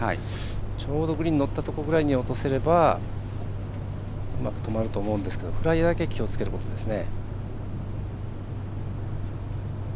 ちょうどグリーンに乗ったところに落とせればうまく止まると思うんですけどフライだけ気をつけることですね。